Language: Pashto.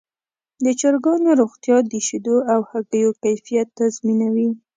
د چرګانو روغتیا د شیدو او هګیو کیفیت تضمینوي.